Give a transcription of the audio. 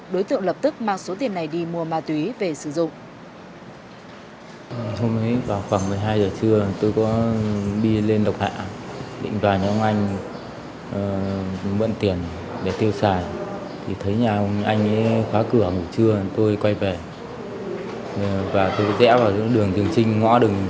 đối tượng lập tức mang số tiền này đi mua ma túy về sử dụng